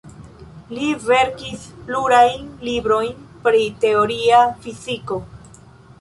Li verkis plurajn librojn pri teoria fiziko.